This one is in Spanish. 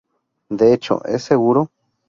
De hecho, es seguro.